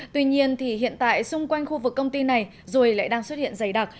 tuy nhiên thì hiện tại xung quanh khu vực công ty này ruồi lại đang xuất hiện dày đặc